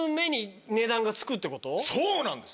そうなんです！